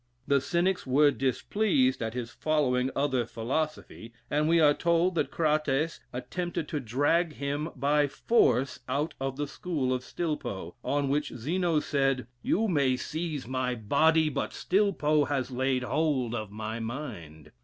The Cynics were displeased at his following other philosophy, and we are told that Crates attempted to drag him by force out of the school of Stilpo, on which Zeno said, "You may seize my body, but Stilpo has laid hold of my mind."